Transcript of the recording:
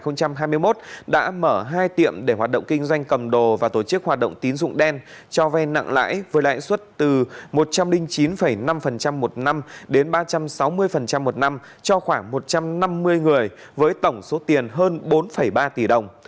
năm hai nghìn hai mươi một đã mở hai tiệm để hoạt động kinh doanh cầm đồ và tổ chức hoạt động tín dụng đen cho vay nặng lãi với lãi suất từ một trăm linh chín năm một năm đến ba trăm sáu mươi một năm cho khoảng một trăm năm mươi người với tổng số tiền hơn bốn ba tỷ đồng